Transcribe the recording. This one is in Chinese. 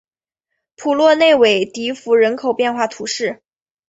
普洛内韦迪福人口变化图示